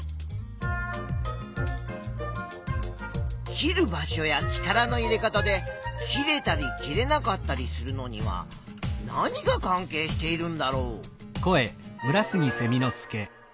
切る場所や力の入れ方で切れたり切れなかったりするのには何が関係しているんだろう？